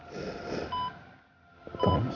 kamu sudah selesai